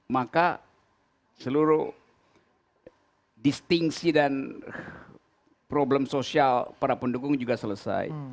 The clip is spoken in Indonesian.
maka seluruh distingsi dan problem sosial para pendukung juga selesai